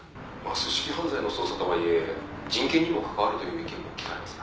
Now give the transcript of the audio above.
「組織犯罪の捜査とはいえ人権にも関わるという意見も聞かれますが」